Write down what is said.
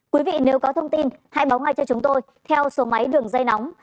quý vị nếu có thông tin hãy báo ngay cho chúng tôi theo số máy đường dây nóng